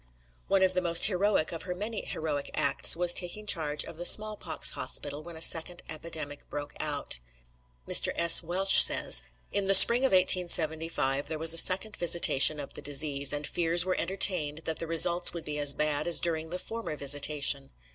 One of the most heroic of her many heroic acts was taking charge of the small pox hospital when a second epidemic broke out. Mr. S. Welsh says: "In the spring of 1875 there was a second visitation of the disease, and fears were entertained that the results would be as bad as during the former visitation.